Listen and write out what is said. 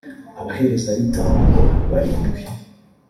abaherezabitambo barindwi